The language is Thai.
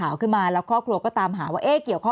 แอนตาซินเยลโรคกระเพาะอาหารท้องอืดจุกเสียดแสบร้อน